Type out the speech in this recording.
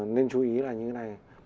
nên chú ý là như thế này